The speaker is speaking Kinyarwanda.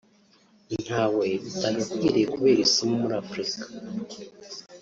ntawe bitagakwiye kubera isomo muri Afurika